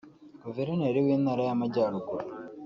Guverineri w’intara y’Amjyaruguru